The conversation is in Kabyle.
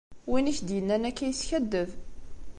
Win i k-d-yennan akka, yeskaddeb.